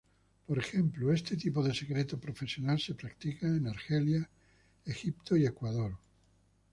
Por ejemplo, este tipo de secreto profesional se practica en Argelia, Egipto y Ecuador.